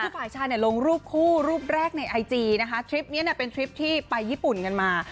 คือฝ่ายชายเนี่ยลงรูปคู่รูปแรกในไอจีนะคะทริปนี้เนี่ยเป็นทริปที่ไปญี่ปุ่นกันมา